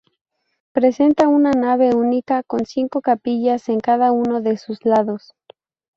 Presenta una nave única con cinco capillas en cada uno de sus lados.